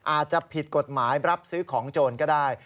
อาจจะผิดกฎหมายรับซื้อของโจรก็ได้